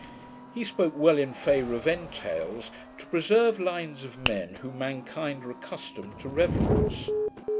He spoke well in favour of entails, to preserve lines of men whom mankind are accustomed to reverence.